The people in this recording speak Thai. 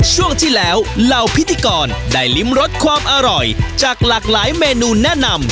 ช่วงที่แล้วเหล่าพิธีกรได้ริมรสความอร่อยจากหลากหลายเมนูแนะนำ